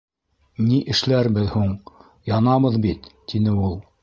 — Ни эшләрбеҙ һуң, янабыҙ бит? — тине ул.